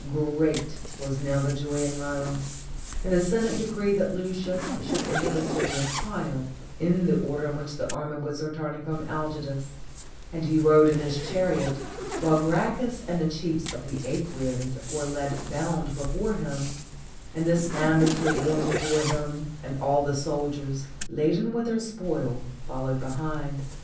Great was now the joy in Rome, and the Senate de creed that Lucius should enter the city in triumph, in the order in which the army was returning from Algidus, and he rode in his chariot, while Gracchus and the chiefs of the yEquians were led bound before him; and the standards were borne before him, and all the soldiers, laden with their spoil, followed behind.